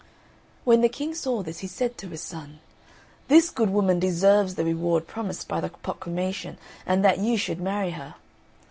When the King saw this, he said to his son, "This good woman deserves the reward promised by the proclamation and that you should marry her."